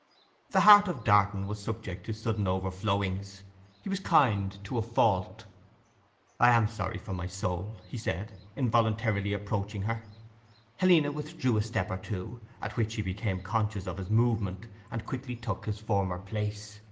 The heart of Darton was subject to sudden overflowings. He was kind to a fault. 'I am sorry from my soul,' he said, involuntarily approaching her. Helena withdrew a step or two, at which he became conscious of his movement, and quickly took his former place.